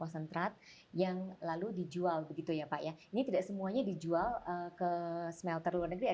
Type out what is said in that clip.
konsentrat yang lalu dijual begitu ya pak ya ini tidak semuanya dijual ke smelter luar negeri